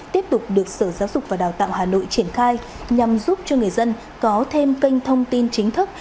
tiếp tục được sở giáo dục và đào tạo hà nội triển khai nhằm giúp cho người dân có thêm kênh thông tin chính thức